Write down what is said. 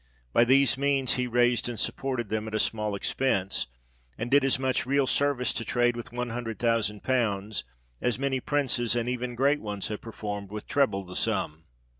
By these means, he raised and supported them at a small expence ; and did as much real service to trade with one hundred thousand pounds, as many Princes, and even great ones, have performed with treble the sum.